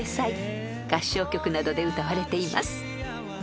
［合唱曲などで歌われています］